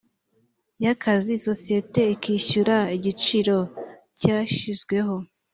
y akazi sosiyete ikishyura igiciro cyashyizweho